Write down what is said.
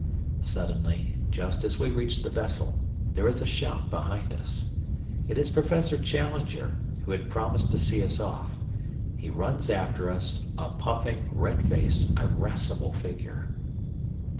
Suddenly, just as we reach the vessel, there is a shout behind us. It is Professor Challenger, who had promised to see us off. He runs after us, a puffing, red faced, irascible figure.